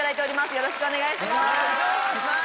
よろしくお願いします。